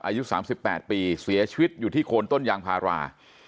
อายุ๓๘ปีเสียชีวิตอยู่ที่โคนต้นยางพารา